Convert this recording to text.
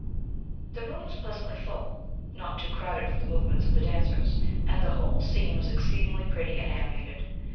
The room was pleasantly full not too crowded for the movements of the dancers; and the whole scene was exceedingly pretty and animated.